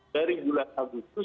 dari bulan agustus